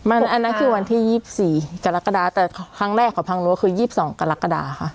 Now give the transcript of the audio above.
อันนั้นคือวันที่๒๔กรกฎาแต่ครั้งแรกของพังรั้วคือ๒๒กรกฎาค่ะ